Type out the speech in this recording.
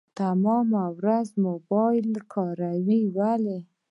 تمامه ورځ موبايل کاروي ولي .